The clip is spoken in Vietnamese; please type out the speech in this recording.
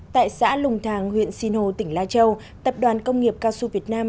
tại xã lùng thàng huyện sinh hồ tỉnh la châu tập đoàn công nghiệp casu việt nam